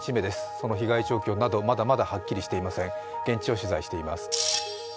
その被害状況など、まだまだはっきりしていません。